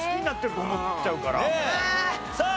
さあ